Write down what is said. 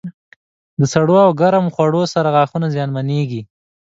د سړو او ګرم خوړو سره غاښونه زیانمنېږي.